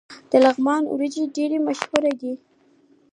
د لغمان وریجې ډیرې مشهورې دي.